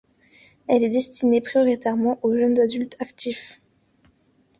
Elle est destinée prioritairement aux jeunes adultes actifs.